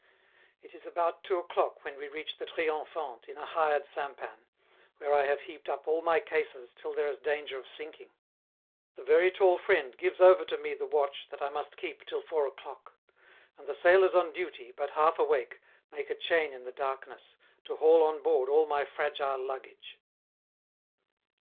It is about two o'clock when we reach the 'Triomphante' in a hired sampan, where I have heaped up all my cases till there is danger of sinking. The "very tall friend" gives over to me the watch that I must keep till four o'clock; and the sailors on duty, but half awake, make a chain in the darkness, to haul on board all my fragile luggage.